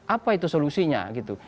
apa itu solusinya gitu